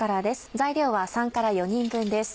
材料は３から４人分です。